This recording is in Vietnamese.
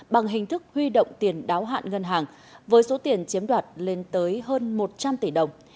bằng hình thức huy động tiền đáo hạn ngân hàng với số tiền chiếm đoạt lên tới hơn một trăm linh tỷ đồng